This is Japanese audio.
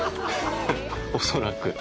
恐らく。